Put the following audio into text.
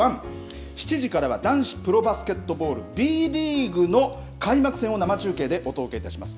男子バスケットボールＢリーグの開幕戦生中継をお届けいたします。